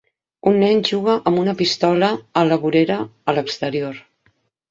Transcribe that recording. Un nen juga amb una pistola a la vorera a l'exterior.